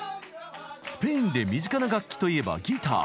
スペインで身近な楽器といえばギター。